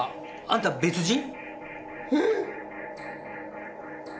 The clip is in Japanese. あんた別人？